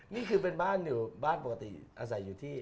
นี่คือเป็นบ้านอยู่บ้านปกติอาศัยอยู่ที่